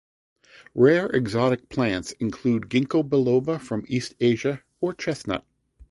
Rare exotic plants include Gingko biloba from East Asia or chestnut.